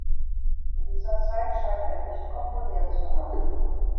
In dieser Zeit scheint er nicht komponiert zu haben.